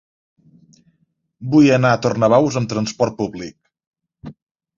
Vull anar a Tornabous amb trasport públic.